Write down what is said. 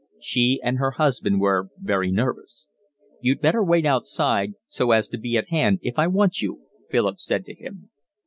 She and her husband were very nervous. "You'd better wait outside, so as to be at hand if I want you," Philip said to him.